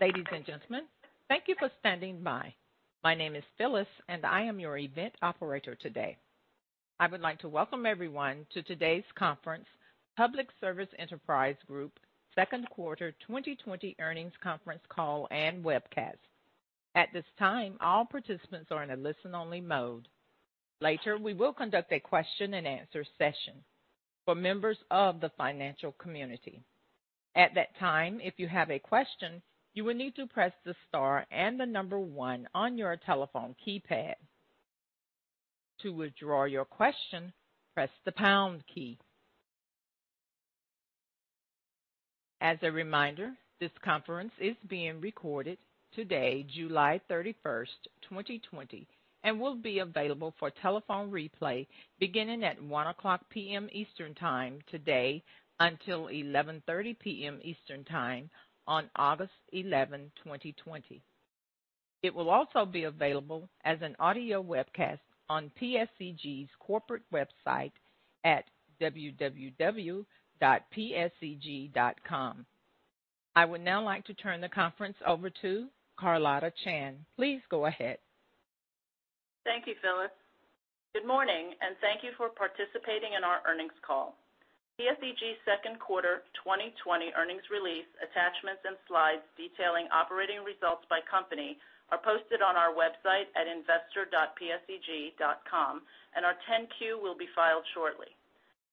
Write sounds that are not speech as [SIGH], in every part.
Ladies and gentlemen, thank you for standing by. My name is Phyllis, and I am your event operator today. I would like to welcome everyone to today's conference, Public Service Enterprise Group Second Quarter 2020 Earnings Conference Call and Webcast. At this time, all participants are in a listen-only mode. Later, we will conduct a question and answer session for members of the financial community. At that time, if you have a question, you will need to press the star and the number one on your telephone keypad. To withdraw your question, press the pound key. As a reminder, this conference is being recorded today, July 31st, 2020, and will be available for telephone replay beginning at 1:00 P.M. Eastern Time today until 11:30 P.M. Eastern Time on August 11, 2020. It will also be available as an audio webcast on PSEG's corporate website at www.pseg.com. I would now like to turn the conference over to Carlotta Chan. Please go ahead. Thank you, Phyllis. Good morning, and thank you for participating in our earnings call. PSEG's second quarter 2020 earnings release attachments and slides detailing operating results by company are posted on our website at investor.pseg.com, and our 10-Q will be filed shortly.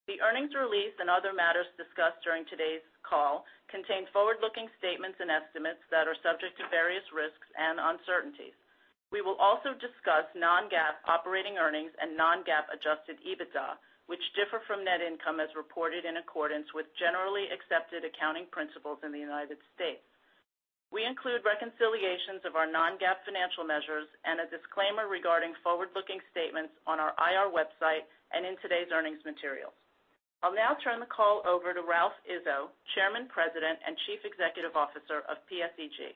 The earnings release and other matters discussed during today's call contain forward-looking statements and estimates that are subject to various risks and uncertainties. We will also discuss non-GAAP operating earnings and non-GAAP adjusted EBITDA, which differ from net income as reported in accordance with generally accepted accounting principles in the United States. We include reconciliations of our non-GAAP financial measures and a disclaimer regarding forward-looking statements on our IR website and in today's earnings materials. I'll now turn the call over to Ralph Izzo, Chairman, President, and Chief Executive Officer of PSEG.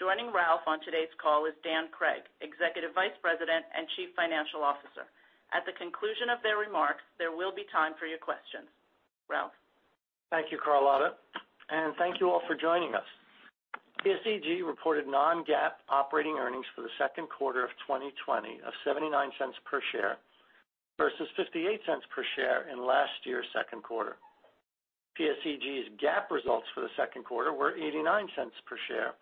Joining Ralph on today's call is Dan Cregg, Executive Vice President and Chief Financial Officer. At the conclusion of their remarks, there will be time for your questions. Ralph? Thank you, Carlotta, and thank you all for joining us. PSEG reported non-GAAP operating earnings for the second quarter of 2020 of $0.79 per share versus $0.58 per share in last year's second quarter. PSEG's GAAP results for the second quarter were $0.89 per share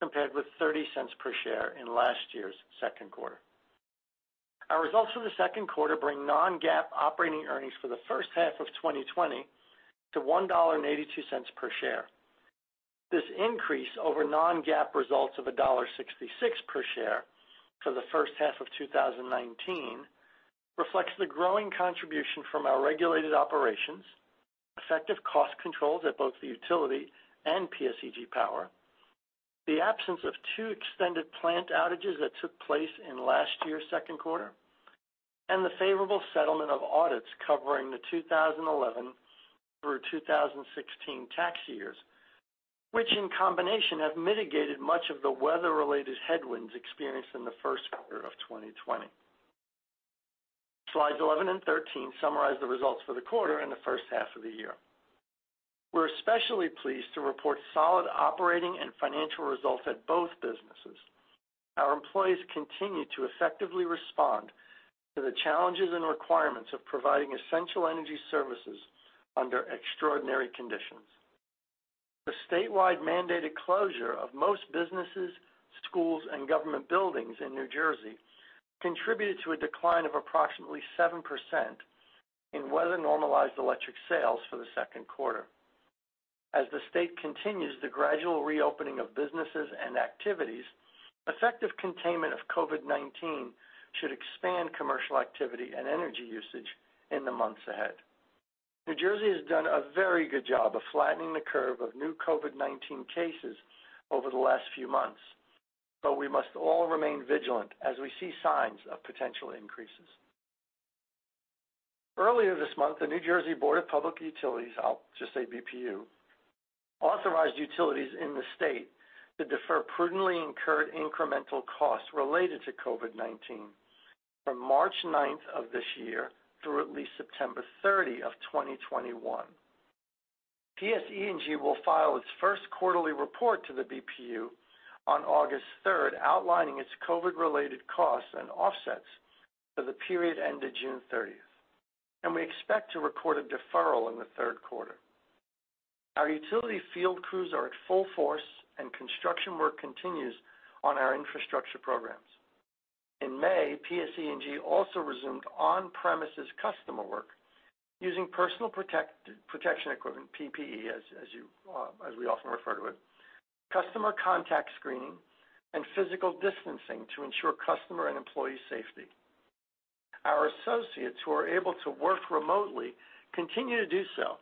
compared with $0.30 per share in last year's second quarter. Our results for the second quarter bring non-GAAP operating earnings for the first half of 2020 to $1.82 per share. This increase over non-GAAP results of $1.66 per share for the first half of 2019 reflects the growing contribution from our regulated operations, effective cost controls at both the utility and PSEG Power, the absence of two extended plant outages that took place in last year's second quarter, and the favorable settlement of audits covering the 2011 through 2016 tax years, which in combination have mitigated much of the weather-related headwinds experienced in the first quarter of 2020. Slides 11 and 13 summarize the results for the quarter and the first half of the year. We're especially pleased to report solid operating and financial results at both businesses. Our employees continue to effectively respond to the challenges and requirements of providing essential energy services under extraordinary conditions. The statewide mandated closure of most businesses, schools, and government buildings in New Jersey contributed to a decline of approximately 7% in weather-normalized electric sales for the second quarter. As the state continues the gradual reopening of businesses and activities, effective containment of COVID-19 should expand commercial activity and energy usage in the months ahead. New Jersey has done a very good job of flattening the curve of new COVID-19 cases over the last few months. We must all remain vigilant as we see signs of potential increases. Earlier this month, the New Jersey Board of Public Utilities, I'll just say BPU, authorized utilities in the state to defer prudently incurred incremental costs related to COVID-19 from March 9th of this year through at least September 30 of 2021. PSE&G will file its first quarterly report to the BPU on August 3rd, outlining its COVID-related costs and offsets for the period ended June 30th, and we expect to record a deferral in the third quarter. Our utility field crews are at full force, and construction work continues on our infrastructure programs. In May, PSE&G also resumed on-premises customer work using personal protection equipment, PPE as we often refer to it, customer contact screening, and physical distancing to ensure customer and employee safety. Our associates who are able to work remotely continue to do so,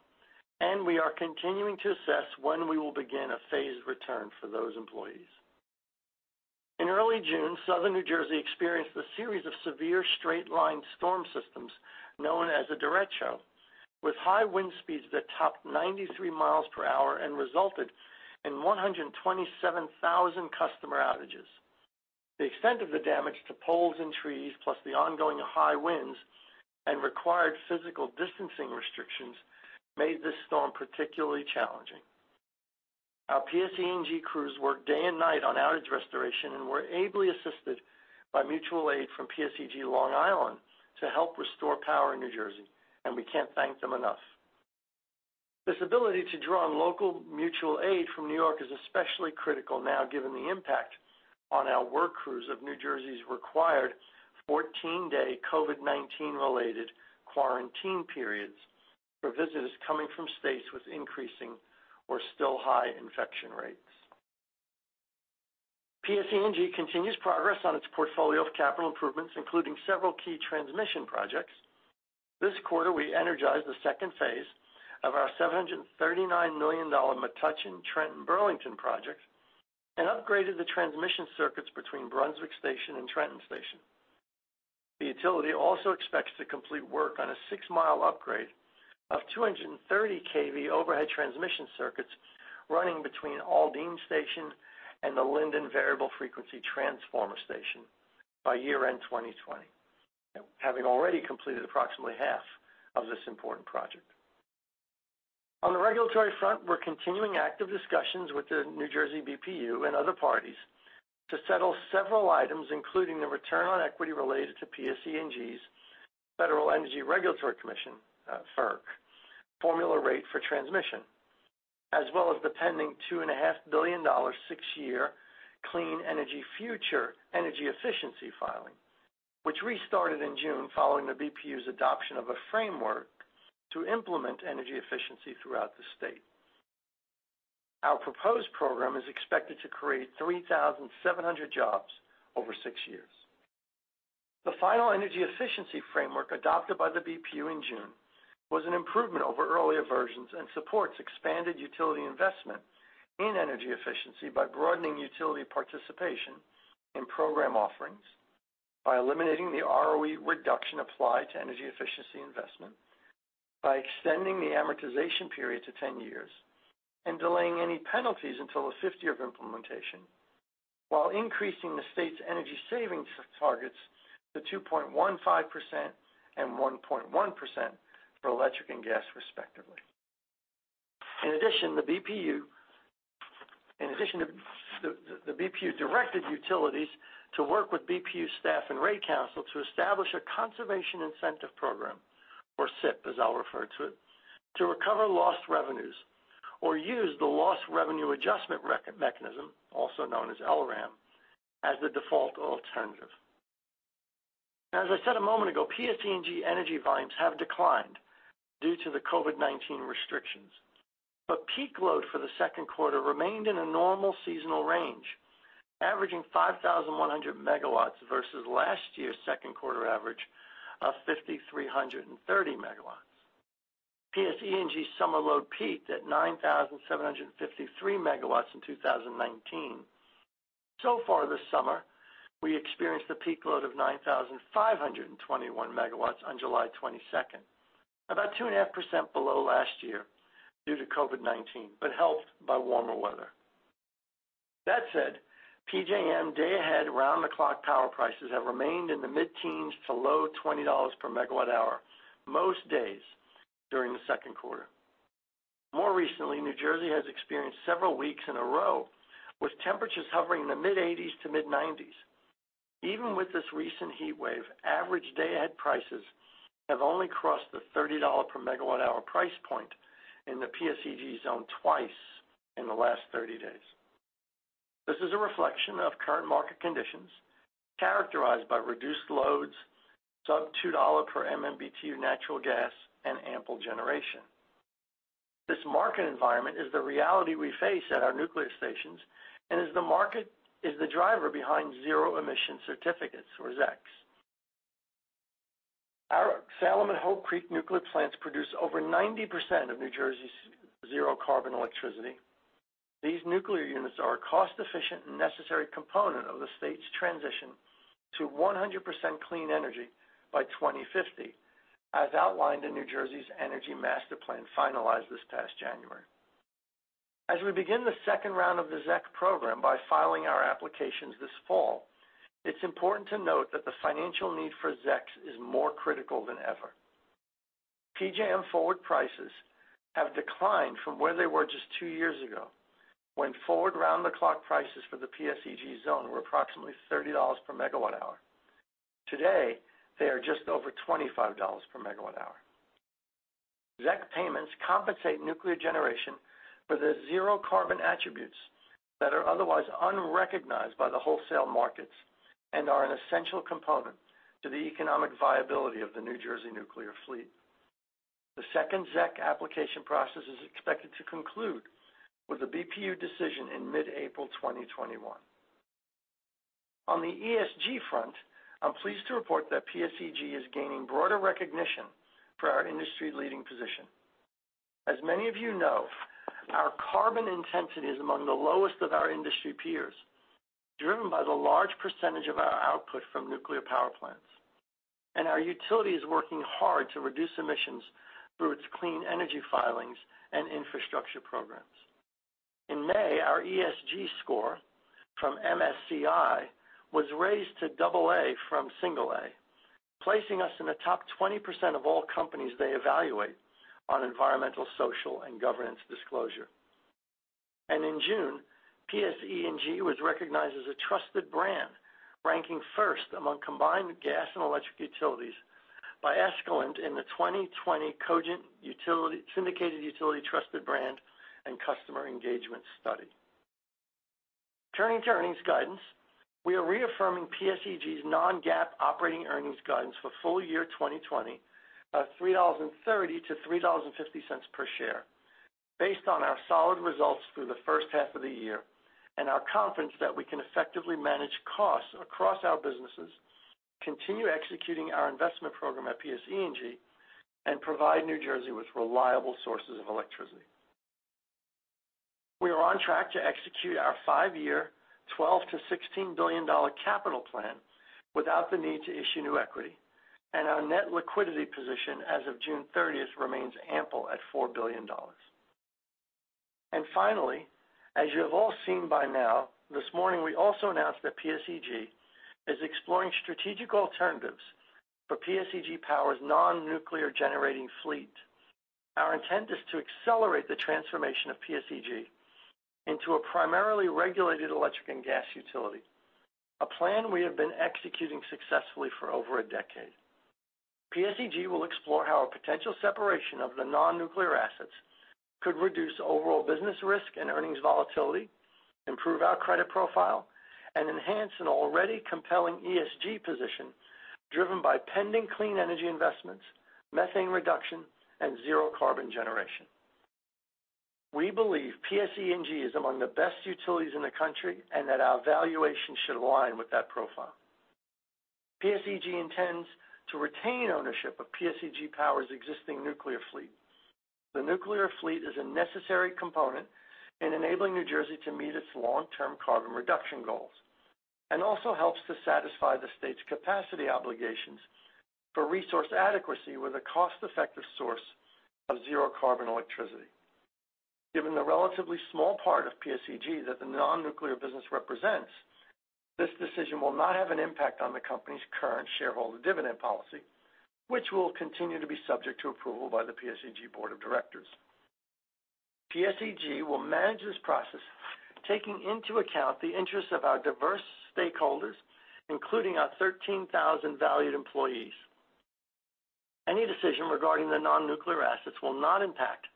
and we are continuing to assess when we will begin a phased return for those employees. In early June, Southern New Jersey experienced a series of severe straight-line storm systems known as a derecho, with high wind speeds that topped 93 miles per hour and resulted in 127,000 customer outages. The extent of the damage to poles and trees, plus the ongoing high winds and required physical distancing restrictions, made this storm particularly challenging. Our PSE&G crews worked day and night on outage restoration and were ably assisted by mutual aid from PSEG Long Island to help restore power in New Jersey, and we can't thank them enough. This ability to draw on local mutual aid from New York is especially critical now given the impact on our work crews of New Jersey's required 14-day COVID-19 related quarantine periods for visitors coming from states with increasing or still high infection rates. PSE&G continues progress on its portfolio of capital improvements, including several key transmission projects. This quarter, we energized the second phase of our $739 million Metuchen-Trenton-Burlington project and upgraded the transmission circuits between Brunswick Station and Trenton Station. The utility also expects to complete work on a 6 mi upgrade of 230 kV overhead transmission circuits running between Aldene Station and the Linden Variable Frequency Transformer Station by year-end 2020, having already completed approximately half of this important project. On the regulatory front, we're continuing active discussions with the New Jersey BPU and other parties to settle several items, including the return on equity related to PSE&G's Federal Energy Regulatory Commission, FERC formula rate for transmission, as well as the pending $2.5 billion six-year Clean Energy Future energy efficiency filing, which restarted in June following the BPU's adoption of a framework to implement Energy Efficiency throughout the state. Our proposed program is expected to create 3,700 jobs over six years. The final Energy Efficiency framework adopted by the BPU in June was an improvement over earlier versions and supports expanded utility investment in energy efficiency by broadening utility participation in program offerings, by eliminating the ROE reduction applied to Energy Efficiency investment, by extending the amortization period to 10 years, and delaying any penalties until the fifth year of implementation, while increasing the state's energy savings targets to 2.15% and 1.1% for electric and gas, respectively. In addition, the BPU directed utilities to work with BPU staff and Rate Counsel to establish a conservation incentive program, or CIP as I'll refer to it, to recover lost revenues or use the lost revenue adjustment mechanism, also known as LRAM, as the default alternative. As I said a moment ago, PSE&G energy volumes have declined due to the COVID-19 restrictions, but peak load for the second quarter remained in a normal seasonal range, averaging 5,100 MW versus last year's second quarter average of 5,330 MW. PSE&G summer load peaked at 9,753 MW in 2019. This summer, we experienced a peak load of 9,521 MW on July 22nd, about 2.5% below last year due to COVID-19, but helped by warmer weather. That said, PJM day-ahead round-the-clock power prices have remained in the mid-teens to low $20 per megawatt hour most days during the second quarter. More recently, New Jersey has experienced several weeks in a row with temperatures hovering in the mid-80s to mid-90s. Even with this recent heat wave, average day-ahead prices have only crossed the $30 per megawatt hour price point in the PSEG zone twice in the last 30 days. This is a reflection of current market conditions characterized by reduced loads, sub-$2 per MMBtu natural gas, and ample generation. This market environment is the reality we face at our nuclear stations and is the driver behind Zero Emission Certificates or ZECs. Our Salem and Hope Creek nuclear plants produce over 90% of New Jersey's zero carbon electricity. These nuclear units are a cost-efficient and necessary component of the state's transition to 100% clean energy by 2050, as outlined in New Jersey's Energy Master Plan finalized this past January. As we begin the second round of the ZEC program by filing our applications this fall, it's important to note that the financial need for ZECs is more critical than ever. PJM forward prices have declined from where they were just two years ago, when forward round-the-clock prices for the PSEG zone were approximately $30 per megawatt hour. Today, they are just over $25 per megawatt hour. ZEC payments compensate nuclear generation for the zero carbon attributes that are otherwise unrecognized by the wholesale markets and are an essential component to the economic viability of the New Jersey nuclear fleet. The second ZEC application process is expected to conclude with a BPU decision in mid-April 2021. On the ESG front, I'm pleased to report that PSEG is gaining broader recognition for our industry-leading position. As many of you know, our carbon intensity is among the lowest of our industry peers, driven by the large percentage of our output from nuclear power plants. Our utility is working hard to reduce emissions through its clean energy filings and infrastructure programs. In May, our ESG score from MSCI was raised to double A from single A, placing us in the top 20% of all companies they evaluate on environmental, social, and governance disclosure. In June, PSE&G was recognized as a trusted brand, ranking first among combined gas and electric utilities by Escalent in the 2020 Cogent Syndicated Utility Trusted Brand & Customer Engagement: Residential study. Turning to earnings guidance, we are reaffirming PSEG's non-GAAP operating earnings guidance for full year 2020 of $3.30-$3.50 per share, based on our solid results through the first half of the year and our confidence that we can effectively manage costs across our businesses, continue executing our investment program at PSE&G, and provide New Jersey with reliable sources of electricity. We are on track to execute our five-year, $12 billion-$16 billion capital plan without the need to issue new equity. Our net liquidity position as of June 30th remains ample at $4 billion. Finally, as you have all seen by now, this morning, we also announced that PSEG is exploring strategic alternatives for PSEG Power's non-nuclear generating fleet. Our intent is to accelerate the transformation of PSEG into a primarily regulated electric and gas utility, a plan we have been executing successfully for over a decade. PSEG will explore how a potential separation of the non-nuclear assets could reduce overall business risk and earnings volatility, improve our credit profile, and enhance an already compelling ESG position driven by pending clean energy investments, methane reduction, and zero carbon generation. We believe PSE&G is among the best utilities in the country and that our valuation should align with that profile. PSEG intends to retain ownership of PSEG Power's existing nuclear fleet. The nuclear fleet is a necessary component in enabling New Jersey to meet its long-term carbon reduction goals, and also helps to satisfy the state's capacity obligations for resource adequacy with a cost-effective source of zero-carbon electricity. Given the relatively small part of PSEG that the non-nuclear business represents, this decision will not have an impact on the company's current shareholder dividend policy, which will continue to be subject to approval by the PSEG board of directors. PSEG will manage this process, taking into account the interests of our diverse stakeholders, including our 13,000 valued employees. Any decision regarding the non-nuclear assets will not impact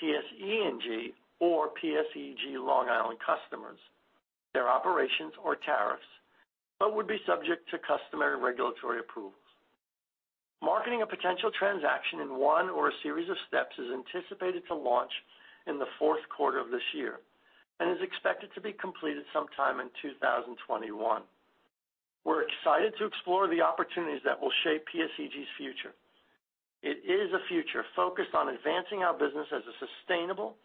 PSE&G or PSEG Long Island customers, their operations or tariffs, but would be subject to customary regulatory approvals. Marketing a potential transaction in one or a series of steps is anticipated to launch in the fourth quarter of this year and is expected to be completed sometime in 2021. We're excited to explore the opportunities that will shape PSEG's future. It is a future focused on advancing our business as a sustainable,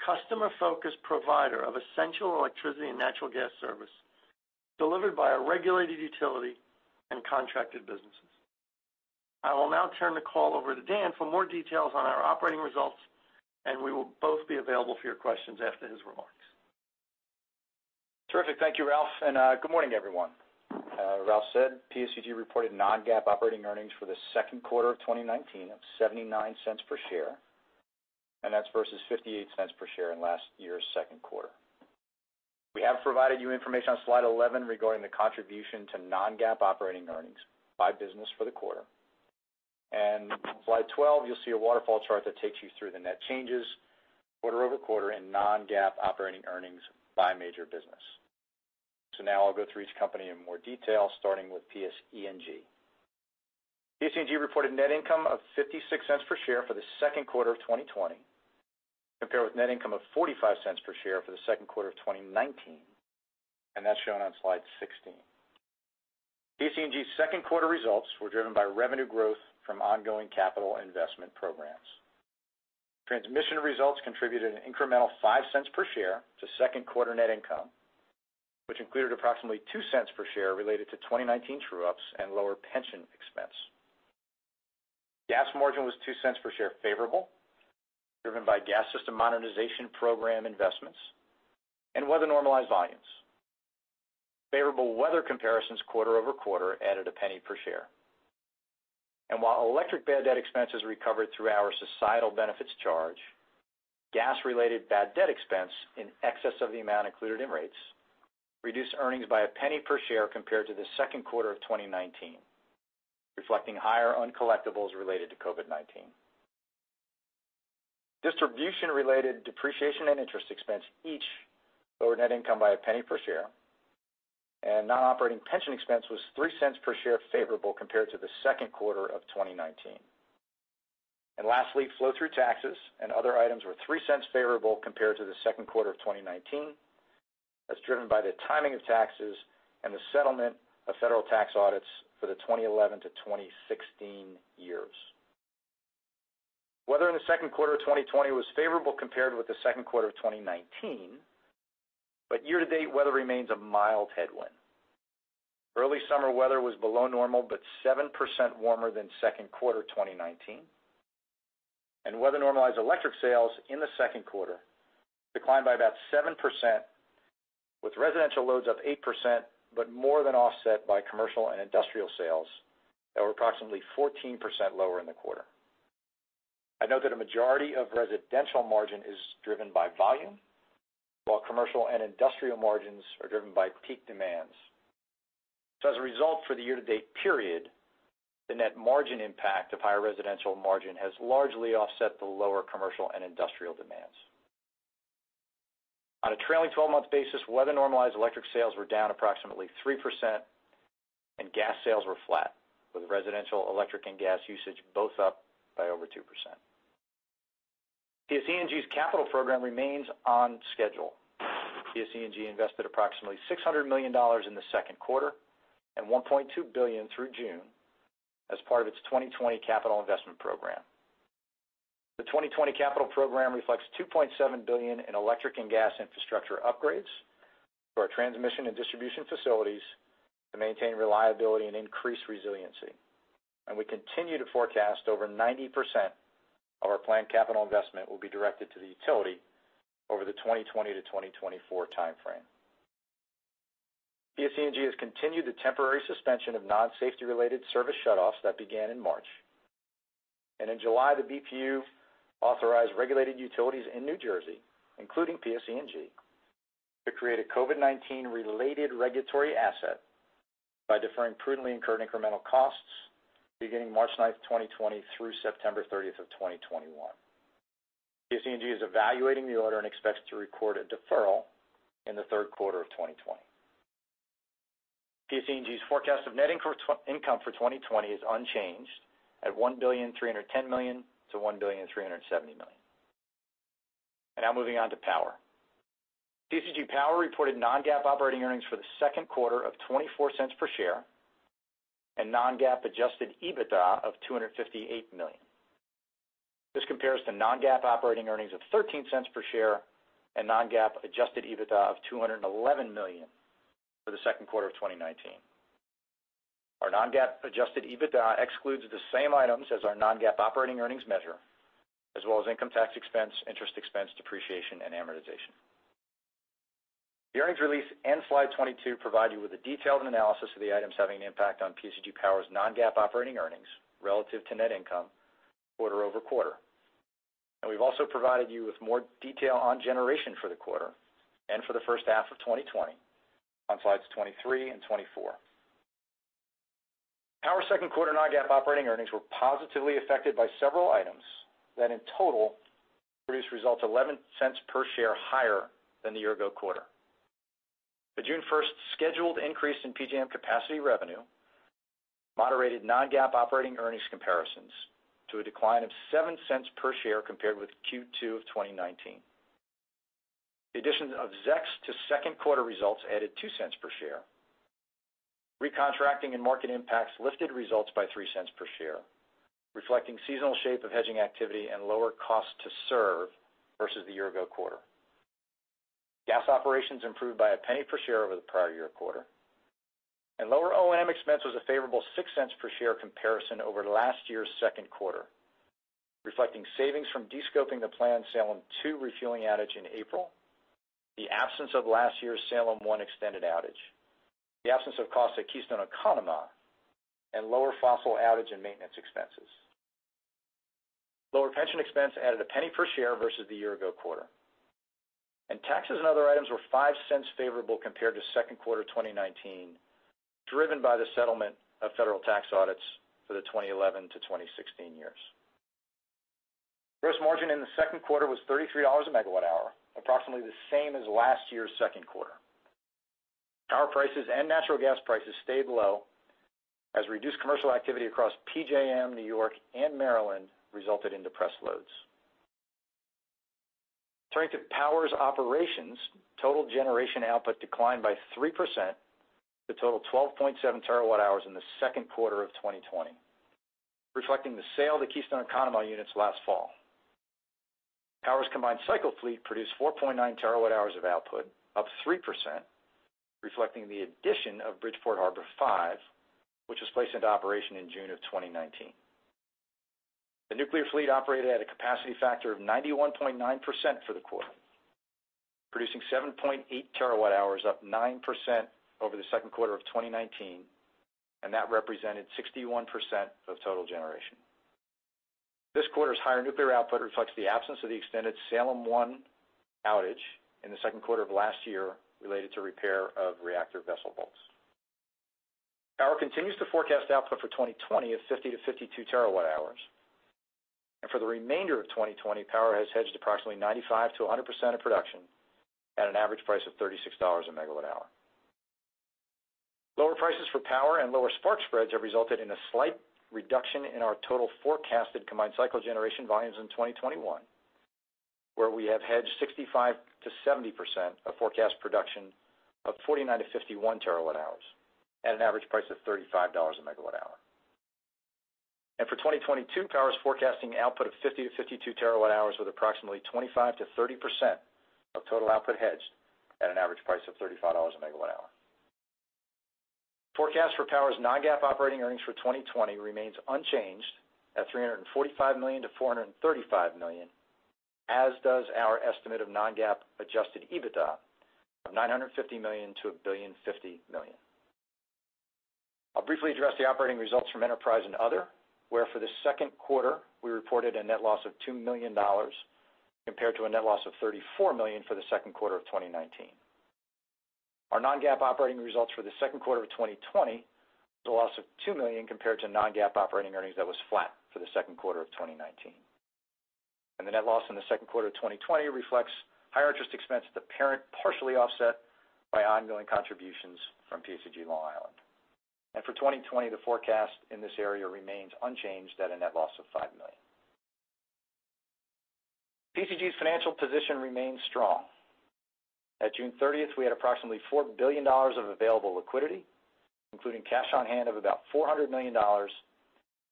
customer-focused provider of essential electricity and natural gas service delivered by a regulated utility and contracted businesses. I will now turn the call over to Dan for more details on our operating results, and we will both be available for your questions after his remarks. Terrific. Thank you, Ralph. Good morning, everyone. Ralph said PSEG reported non-GAAP operating earnings for the second quarter of 2019 of $0.79 per share, and that's versus $0.58 per share in last year's second quarter. We have provided you information on slide 11 regarding the contribution to non-GAAP operating earnings by business for the quarter. Slide 12, you'll see a waterfall chart that takes you through the net changes quarter-over-quarter and non-GAAP operating earnings by major business. Now I'll go through each company in more detail, starting with PSE&G. PSE&G reported net income of $0.56 per share for the second quarter of 2020, compared with net income of $0.45 per share for the second quarter of 2019, and that's shown on slide 16. PSE&G's second quarter results were driven by revenue growth from ongoing capital investment programs. Transmission results contributed an incremental $0.05 per share to second quarter net income, which included approximately $0.02 per share related to 2019 true-ups and lower pension expense. Gas margin was $0.02 per share favorable, driven by Gas System Modernization Program investments and weather-normalized volumes. Favorable weather comparisons quarter-over-quarter added $0.01 per share. While electric bad debt expense is recovered through our societal benefits charge, gas-related bad debt expense in excess of the amount included in rates reduced earnings by $0.01 per share compared to the second quarter of 2019, reflecting higher uncollectibles related to COVID-19. Distribution-related depreciation and interest expense each lowered net income by $0.01 per share, and non-operating pension expense was $0.03 per share favorable compared to the second quarter of 2019. Lastly, flow-through taxes and other items were $0.03 favorable compared to the second quarter of 2019, as driven by the timing of taxes and the settlement of federal tax audits for the 2011-2016 years. Weather in the second quarter of 2020 was favorable compared with the second quarter of 2019, year-to-date weather remains a mild headwind. Early summer weather was below normal, 7% warmer than second quarter 2019. Weather-normalized electric sales in the second quarter declined by about 7%, with residential loads up 8%, more than offset by commercial and industrial sales that were approximately 14% lower in the quarter. I know that a majority of residential margin is driven by volume, while commercial and industrial margins are driven by peak demands. As a result, for the year-to-date period, the net margin impact of higher residential margin has largely offset the lower commercial and industrial demands. On a trailing 12-month basis, weather-normalized electric sales were down approximately 3% and gas sales were flat, with residential electric and gas usage both up by over 2%. PSE&G's capital program remains on schedule. PSE&G invested approximately $600 million in the second quarter and $1.2 billion through June as part of its 2020 capital investment program. The 2020 capital program reflects $2.7 billion in electric and gas infrastructure upgrades to our transmission and distribution facilities to maintain reliability and increase resiliency, and we continue to forecast over 90% of our planned capital investment will be directed to the utility over the 2020-2024 timeframe. PSE&G has continued the temporary suspension of non-safety-related service shutoffs that began in March. In July, the BPU authorized regulated utilities in New Jersey, including PSE&G, to create a COVID-19-related regulatory asset by deferring prudently incurred incremental costs beginning March 9th, 2020 through September 30th, 2021. PSE&G is evaluating the order and expects to record a deferral in the third quarter of 2020. PSE&G's forecast of net income for 2020 is unchanged at $1,310,000,000-$1,370,000,000. Now moving on to Power. PSEG Power reported non-GAAP operating earnings for the second quarter of $0.24 per share and non-GAAP adjusted EBITDA of $258 million. This compares to non-GAAP operating earnings of $0.13 per share and non-GAAP adjusted EBITDA of $211 million for the second quarter of 2019. Our non-GAAP adjusted EBITDA excludes the same items as our non-GAAP operating earnings measure, as well as income tax expense, interest expense, depreciation, and amortization. The earnings release and slide 22 provide you with a detailed analysis of the items having an impact on PSEG Power's non-GAAP operating earnings relative to net income quarter-over-quarter. We've also provided you with more detail on generation for the quarter and for the first half of 2020 on slides 23 and 24. Power second quarter non-GAAP operating earnings were positively affected by several items that in total produced results $0.11 per share higher than the year-ago quarter. The June 1st scheduled increase in PJM capacity revenue moderated non-GAAP operating earnings comparisons to a decline of $0.07 per share compared with Q2 of 2019. The addition of ZECs to second quarter results added $0.02 per share. Recontracting and market impacts lifted results by $0.03 per share, reflecting seasonal shape of hedging activity and lower cost to serve versus the year-ago quarter. Gas operations improved by $0.01 per share over the prior year quarter, and lower OM expense was a favorable $0.06 per share comparison over last year's second quarter, reflecting savings from de-scoping the planned Salem 2 refueling outage in April, the absence of last year's Salem 1 extended outage, the absence of cost at Keystone and Conemaugh, and lower fossil outage and maintenance expenses. Lower pension expense added $0.01 per share versus the year-ago quarter. Taxes and other items were $0.05 favorable compared to second quarter 2019, driven by the settlement of federal tax audits for the 2011-2016 years. Gross margin in the second quarter was $33 a megawatt hour, approximately the same as last year's second quarter. Power prices and natural gas prices stayed low as reduced commercial activity across PJM, New York, and Maryland resulted in depressed loads. Turning to Power's operations, total generation output declined by 3% to total 12.7 TWh in the second quarter of 2020, reflecting the sale of the Keystone and Conemaugh units last fall. Power's combined cycle fleet produced 4.9 TWh of output, up 3%, reflecting the addition of Bridgeport Harbor 5, which was placed into operation in June of 2019. The nuclear fleet operated at a capacity factor of 91.9% for the quarter, producing 7.8 TWh, up 9% over the second quarter of 2019, and that represented 61% of total generation. This quarter's higher nuclear output reflects the absence of the extended Salem 1 outage in the second quarter of last year related to repair of reactor vessel bolts. Power continues to forecast output for 2020 of 50-52 TWh. For the remainder of 2020, Power has hedged approximately 95%-100% of production at an average price of $36 a megawatt-hour. Lower prices for power and lower spark spreads have resulted in a slight reduction in our total forecasted combined cycle generation volumes in 2021. Where we have hedged 65%-70% of forecast production of 49-51 TWh at an average price of $35 a megawatt-hour. For 2022, PSEG Power is forecasting output of 50-52 TWh with approximately 25%-30% of total output hedged at an average price of $35 a megawatt-hour. Forecast for Power's non-GAAP operating earnings for 2020 remains unchanged at $345 million-$435 million, as does our estimate of non-GAAP adjusted EBITDA of $950 million-$1,050,000,000. I'll briefly address the operating results from Enterprise and Other, where for the second quarter, we reported a net loss of $2 million compared to a net loss of $34 million for the second quarter of 2019. Our non-GAAP operating results for the second quarter of 2020 was a loss of $2 million compared to non-GAAP operating earnings that was flat for the second quarter of 2019. The net loss in the second quarter of 2020 reflects higher interest expense at the parent, partially offset by ongoing contributions from PSEG Long Island. For 2020, the forecast in this area remains unchanged at a net loss of $5 million. PSEG's financial position remains strong. At June 30th, we had approximately $4 billion of available liquidity, including cash on hand of about $400 million,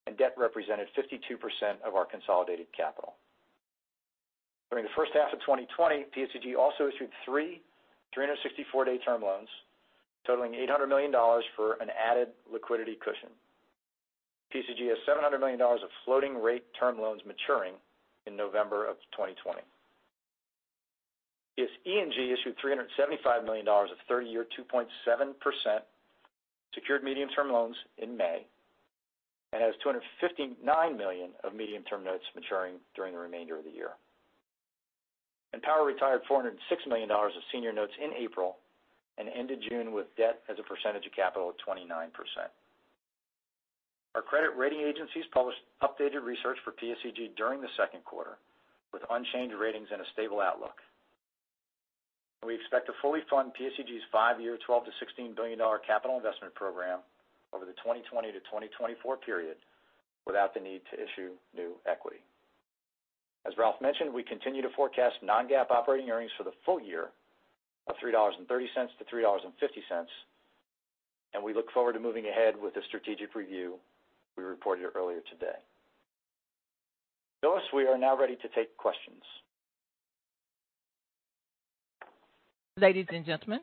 and debt represented 52% of our consolidated capital. During the first half of 2020, PSEG also issued three 364-day term loans totaling $800 million for an added liquidity cushion. PSEG has $700 million of floating rate term loans maturing in November of 2020. Its PSE&G issued $375 million of 30-year, 2.7% secured medium-term loans in May and has $259 million of medium-term notes maturing during the remainder of the year. Power retired $406 million of senior notes in April and ended June with debt as a percentage of capital at 29%. Our credit rating agencies published updated research for PSEG during the second quarter with unchanged ratings and a stable outlook. We expect to fully fund PSEG's five-year $12 billion-$16 billion capital investment program over the 2020 to 2024 period without the need to issue new equity. As Ralph mentioned, we continue to forecast non-GAAP operating earnings for the full year of $3.30 to $3.50, and we look forward to moving ahead with the strategic review we reported earlier today. Phyllis, we are now ready to take questions. Ladies and gentlemen,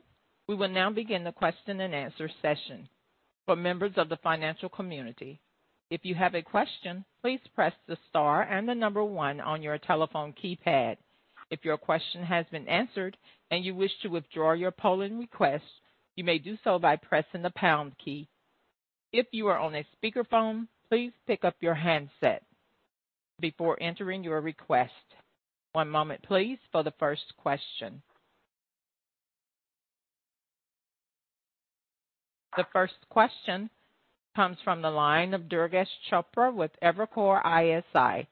we will now begin the question and answer session. For members of the financial community, if you have a question, please press the star and the number one on your telephone keypad. If your question has been answered and you wish to withdraw your polling request, you may do so by pressing the pound key. If you are on a speakerphone, please pick up your handset before entering your request. One moment, please, for the first question. The first question comes from the line of Durgesh Chopra with Evercore ISI.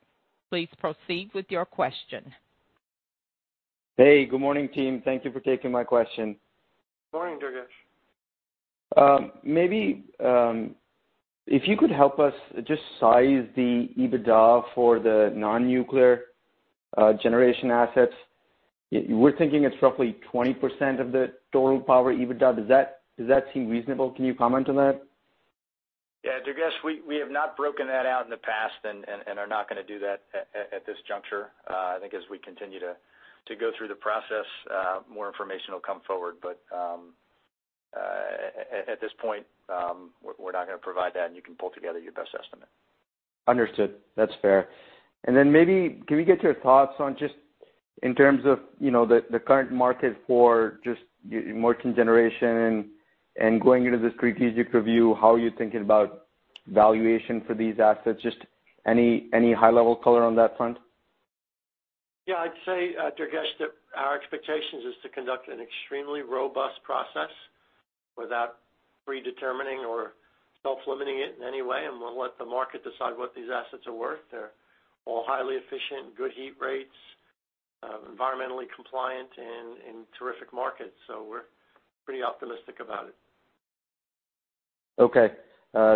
Please proceed with your question. Hey, good morning, team. Thank you for taking my question. Morning, Durgesh. Maybe if you could help us just size the EBITDA for the non-nuclear generation assets. We're thinking it's roughly 20% of the total power EBITDA. Does that seem reasonable? Can you comment on that? Yeah, Durgesh, we have not broken that out in the past and are not going to do that at this juncture. I think as we continue to go through the process, more information will come forward. At this point, we're not going to provide that, and you can pull together your best estimate. Understood. That's fair. Maybe can we get your thoughts on just in terms of the current market for merchant generation and going into the strategic review, how you're thinking about valuation for these assets? Just any high-level color on that front? Yeah, I'd say, Durgesh, that our expectations is to conduct an extremely robust process without predetermining or self-limiting it in any way. We'll let the market decide what these assets are worth. They're all highly efficient, good heat rates, environmentally compliant, and in terrific markets, so we're pretty optimistic about it. Okay.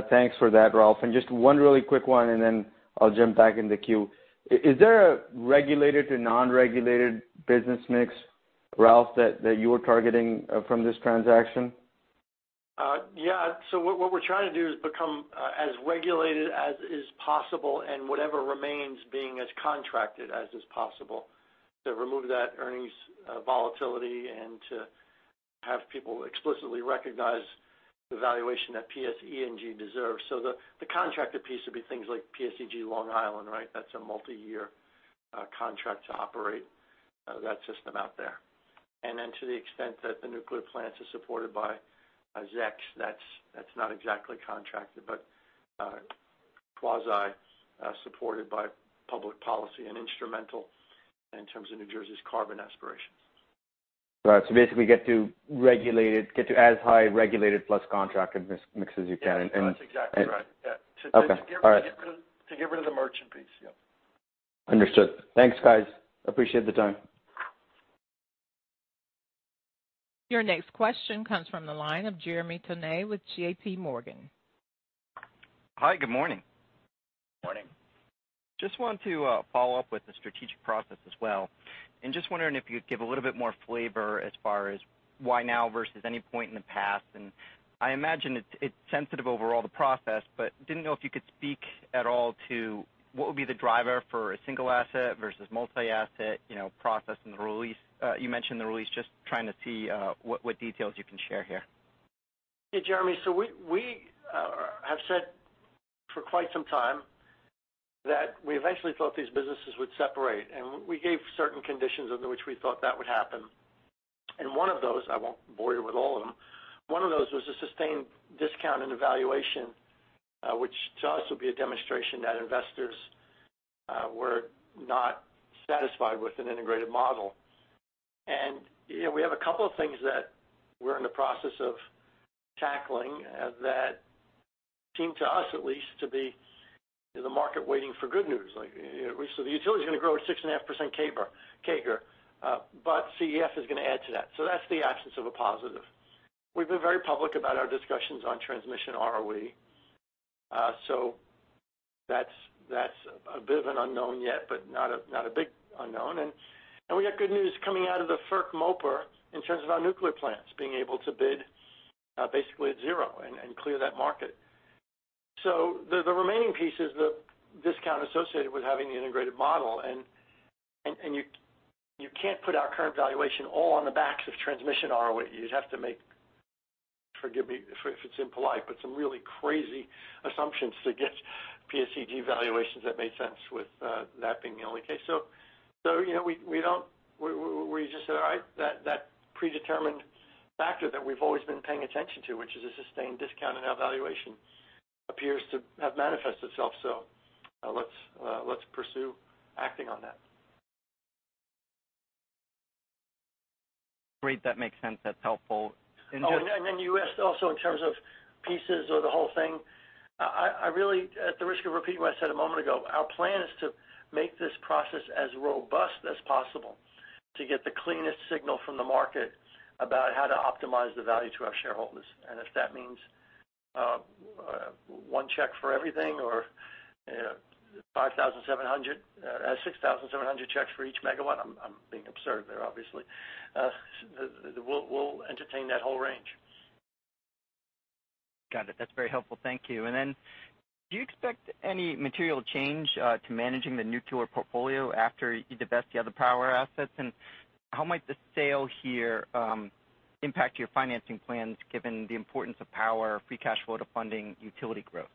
Thanks for that, Ralph. Just one really quick one, and then I'll jump back in the queue. Is there a regulated to non-regulated business mix, Ralph, that you're targeting from this transaction? Yeah. What we're trying to do is become as regulated as is possible and whatever remains being as contracted as is possible to remove that earnings volatility and to have people explicitly recognize the valuation that PSE&G deserves. The contracted piece would be things like PSEG Long Island, right? That's a multi-year contract to operate that system out there. To the extent that the nuclear plants are supported by ZEC, that's not exactly contracted, but Plaza, supported by public policy and instrumental in terms of New Jersey's carbon aspirations. Right. Basically get to as high regulated plus contracted mix as you can. That's exactly right. Yeah. Okay. All right. To get rid of the merchant piece. Yeah. Understood. Thanks, guys. Appreciate the time. Your next question comes from the line of Jeremy Tonet with JPMorgan. Hi, good morning. Good morning. Just wanted to follow up with the strategic process as well, just wondering if you'd give a little bit more flavor as far as why now versus any point in the past. I imagine it's sensitive overall, the process, but didn't know if you could speak at all to what would be the driver for a single asset versus multi-asset process in the release. You mentioned the release, just trying to see what details you can share here. Hey, Jeremy. We have said for quite some time that we eventually thought these businesses would separate, and we gave certain conditions under which we thought that would happen. One of those, I won't bore you with all of them, one of those was a sustained discount in the valuation, which to us would be a demonstration that investors were not satisfied with an integrated model. We have a couple of things that we're in the process of tackling that seem, to us at least, to be the market waiting for good news. The utility's going to grow at 6.5% CAGR. CEF is going to add to that. That's the absence of a positive. We've been very public about our discussions on transmission ROE. That's a bit of an unknown yet, but not a big unknown. We got good news coming out of the FERC MOPR in terms of our nuclear plants being able to bid basically at zero and clear that market. The remaining piece is the discount associated with having the integrated model, and you can't put our current valuation all on the backs of transmission ROE. You'd have to make, forgive me if it's impolite, but some really crazy assumptions to get PSEG valuations that make sense with that being the only case. We just said, all right, that predetermined factor that we've always been paying attention to, which is a sustained discount in our valuation, appears to have manifested itself. Let's pursue acting on that. Great. That makes sense. That's helpful. You asked also in terms of pieces or the whole thing. I really, at the risk of repeating what I said a moment ago, our plan is to make this process as robust as possible to get the cleanest signal from the market about how to optimize the value to our shareholders. If that means one check for everything or 6,700 checks for each megawatt, I'm being absurd there obviously. We'll entertain that whole range. Got it. That's very helpful. Thank you. Do you expect any material change to managing the nuclear portfolio after you divest the other power assets? How might the sale here impact your financing plans given the importance of power free cash flow to funding utility growth?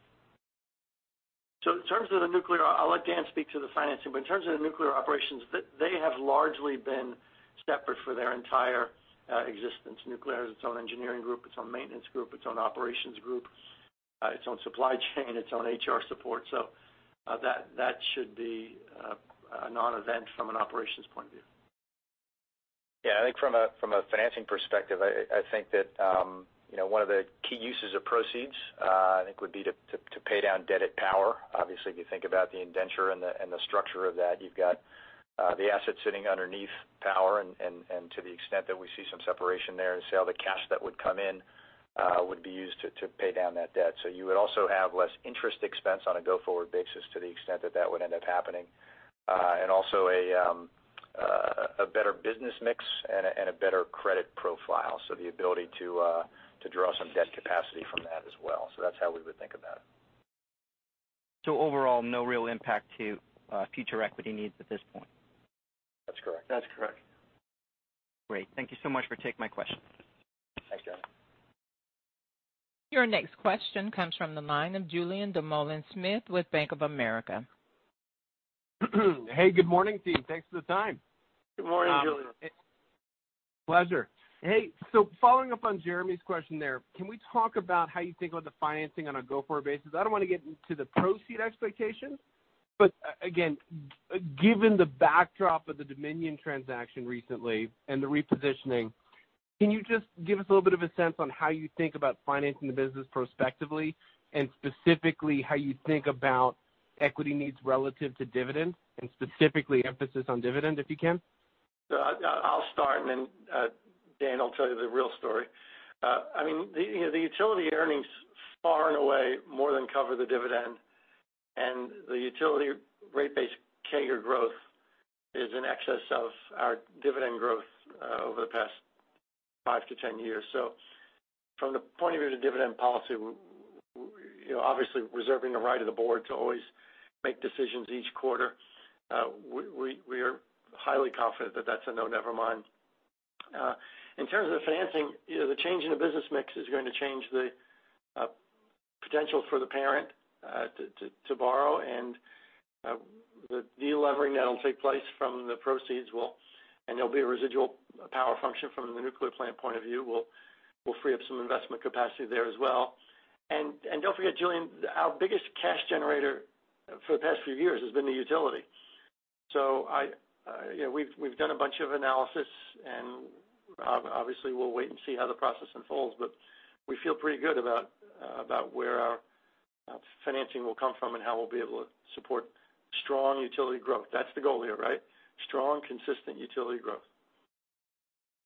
In terms of the nuclear, I'll let Dan speak to the financing, but in terms of the nuclear operations, they have largely been separate for their entire existence. Nuclear has its own engineering group, its own maintenance group, its own operations group, its own supply chain, its own HR support. That should be a non-event from an operations point of view. Yeah, I think from a financing perspective, I think that one of the key uses of proceeds, I think, would be to pay down debt at Power. Obviously, if you think about the indenture and the structure of that, you've got the asset sitting underneath Power, and to the extent that we see some separation there and sale, the cash that would come in would be used to pay down that debt. You would also have less interest expense on a go-forward basis to the extent that that would end up happening. Also a better business mix and a better credit profile. The ability to draw some debt capacity from that as well. That's how we would think about it. Overall, no real impact to future equity needs at this point? That's correct. That's correct. Great. Thank you so much for taking my question. Thanks, Jeremy. Your next question comes from the line of Julien Dumoulin-Smith with Bank of America. Hey, good morning, team. Thanks for the time. Good morning, Julien. Pleasure. Following up on Jeremy's question there, can we talk about how you think about the financing on a go-forward basis? I don't want to get into the proceed expectation, again, given the backdrop of the Dominion transaction recently and the repositioning, can you just give us a little bit of a sense on how you think about financing the business prospectively? Specifically, how you think about equity needs relative to dividends, and specifically emphasis on dividend, if you can? I'll start and then Dan will tell you the real story. The utility earnings far and away more than cover the dividend, and the utility rate base CAGR growth is in excess of our dividend growth over the past 5-10 years. From the point of view of the dividend policy, obviously reserving the right of the board to always make decisions each quarter, we are highly confident that that's a no nevermind. In terms of the financing, the change in the business mix is going to change the potential for the parent to borrow, and the de-levering that'll take place from the proceeds will, and there'll be a residual power function from the nuclear plant point of view, will free up some investment capacity there as well. Don't forget, Julien, our biggest cash generator for the past few years has been the utility. We've done a bunch of analysis, and obviously we'll wait and see how the process unfolds, but we feel pretty good about where our financing will come from and how we'll be able to support strong utility growth. That's the goal here, right? Strong, consistent utility growth.